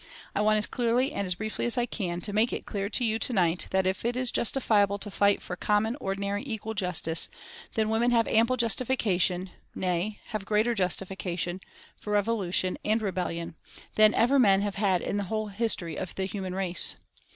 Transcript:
I want as clearly and briefly as I can to make it clear to you to night that if it is justifiable to fight for common ordinary equal justice, then women have ample justification, nay, have greater justification, for revolution and rebellion, than ever men have had in the whole history of the human race.